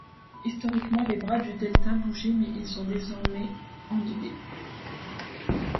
Historiquement, les bras du delta bougeaient mais ils sont désormais endigués.